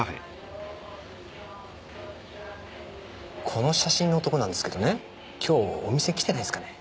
この写真の男なんですけどね今日お店来てないですかね？